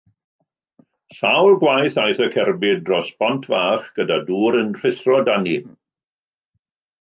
Sawl gwaith aeth y cerbyd dros bont fach gyda dŵr yn rhuthro dani.